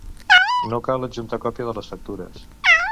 No cal adjuntar còpia de les factures.